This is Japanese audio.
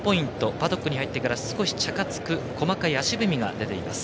パドックに入ってから少しチャカつく細かい足踏みが出ています。